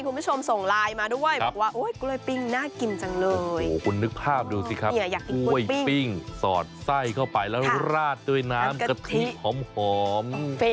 ดูสิครับกล้วยปิ้งสอดไส้เข้าไปแล้วราดด้วยน้ำกะทิหอม